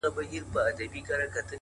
ښایسته یې چټه ښکلې ګلالۍ کړه-